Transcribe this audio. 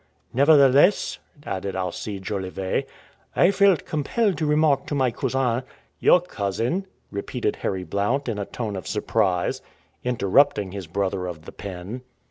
"Nevertheless," added Alcide Jolivet, "I felt compelled to remark to my cousin " "Your cousin?" repeated Harry Blount in a tone of surprise, interrupting his brother of the pen.